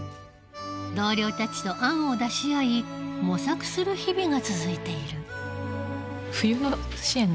同僚たちと案を出し合い模索する日々が続いている。